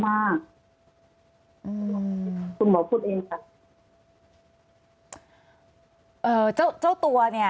อันดับที่สุดท้าย